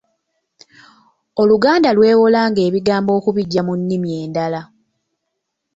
Oluganda lwewolanga ebigambo okubiggya mu nnimi endala.